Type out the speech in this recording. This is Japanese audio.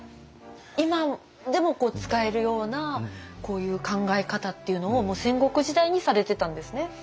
今でも使えるようなこういう考え方っていうのをもう戦国時代にされてたんですね。